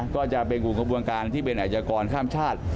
ก็จะเป็นกลุ่มกระบวนการที่เป็นอาชกรข้ามชาติ